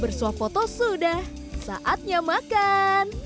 bersuah foto sudah saatnya makan